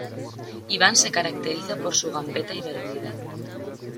Iván se caracteriza por su gambeta y velocidad.